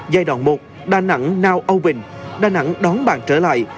giai đoạn một đà nẵng now open đà nẵng đón bạn trở lại